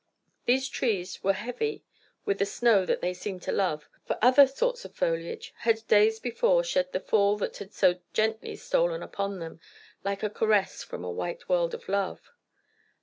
These trees were heavy with the snow that they seemed to love, for other sorts of foliage had days before shed the fall that had so gently stolen upon them—like a caress from a white world of love.